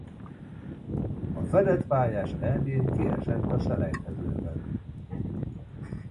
A fedett pályás Eb-n kiesett a selejtezőben.